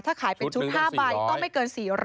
ถ้าขายเป็นชุด๕ใบต้องไม่เกิน๔๐๐